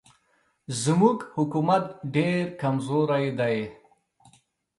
زموږ حکومت ډېر کمزوری دی.